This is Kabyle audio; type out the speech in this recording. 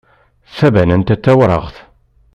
Tabanant-a d tawraɣt.